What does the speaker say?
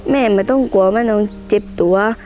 ไม่ต้องกลัวว่าน้องเจ็บตัว